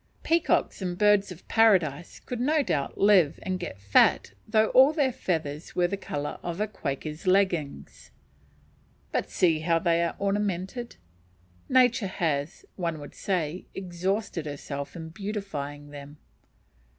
Peacocks and birds of paradise could no doubt live and get fat though all their feathers were the colour of a Quaker's leggings, but see how they are ornamented! Nature has, one would say, exhausted herself in beautifying them.